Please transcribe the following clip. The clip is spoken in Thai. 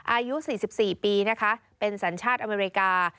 อายุ๔๔ปีนะคะเป็นสัญชาติอเมริกา